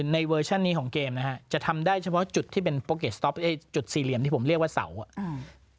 เวอร์ชันนี้ของเกมนะฮะจะทำได้เฉพาะจุดที่เป็นโปเกตสต๊อปไอ้จุดสี่เหลี่ยมที่ผมเรียกว่าเสาอ่ะอืม